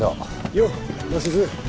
よう鷲津。